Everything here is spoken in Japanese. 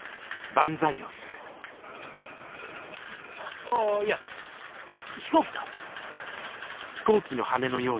あっああいや飛行機だ。